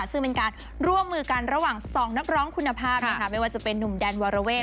ซึ่งเป็นการร่วมมือกันระหว่างสองนักร้องคุณภาพนะคะไม่ว่าจะเป็นนุ่มแดนวาระเวท